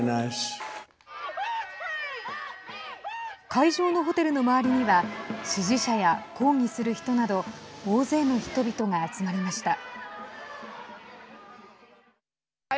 会場のホテルの周りには支持者や抗議する人など大勢の人々が集まりました。